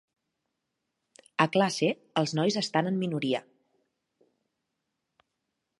A classe, els nois estan en minoria.